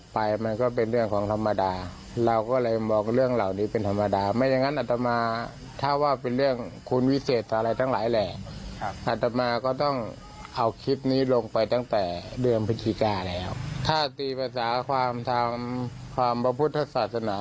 พิการแล้วฆาตีภาษาความทำความประพุทธศาสนา